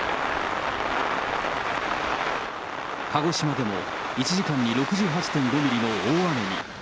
鹿児島でも１時間に６８．５ミリの大雨に。